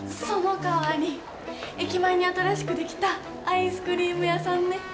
そのかわり駅前に新しく出来たアイスクリーム屋さんね。